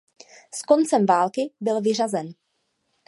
S koncem války byl vyřazen.